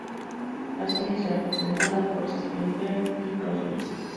La serie será presentada por Stephen Bear y Crosby.